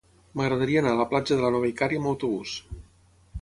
M'agradaria anar a la platja de la Nova Icària amb autobús.